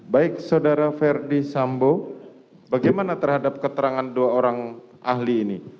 baik saudara ferdi sambo bagaimana terhadap keterangan dua orang ahli ini